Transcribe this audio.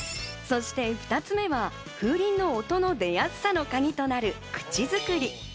そして２つ目は風鈴の音の出やすさのカギとなる口作り。